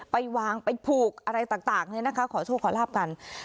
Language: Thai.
ไปวางไปผูกอะไรต่างขอโชคขอลาบกัน